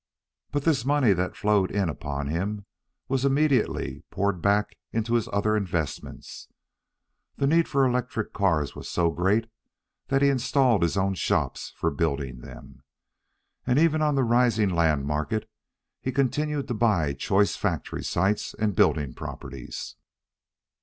But this money that flowed in upon him was immediately poured back into his other investments. The need for electric cars was so great that he installed his own shops for building them. And even on the rising land market, he continued to buy choice factory sites and building properties.